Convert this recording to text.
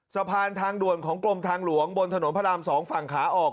ทางด่วนของกรมทางหลวงบนถนนพระราม๒ฝั่งขาออก